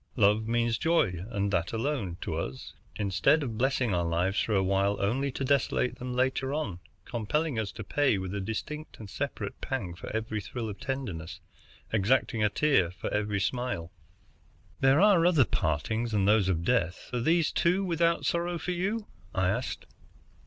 Love means joy, and that alone, to us, instead of blessing our lives for a while only to desolate them later on, compelling us to pay with a distinct and separate pang for every thrill of tenderness, exacting a tear for every smile." "There are other partings than those of death. Are these, too, without sorrow for you?" I asked.